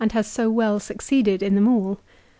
Las so well succeeded in them all ?